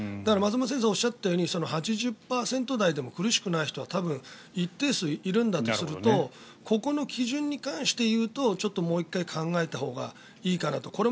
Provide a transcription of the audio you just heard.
松本先生がおっしゃったように８０％台でも苦しくない人は一定数いるんだとするとここの基準に関して言うとちょっともう１回考えたほうがいいかなと。